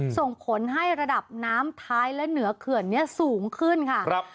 ส่งผลให้ระดับน้ำท้ายและเหนือเขื่อนนี้สูงขึ้นค่ะครับ